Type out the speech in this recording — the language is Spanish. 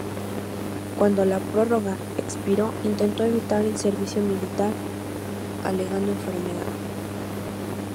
Cuando la prórroga expiró intentó evitar el servicio militar alegando enfermedad.